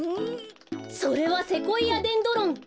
それはセコイアデンドロン。